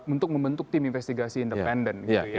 untuk membentuk tim investigasi independen gitu ya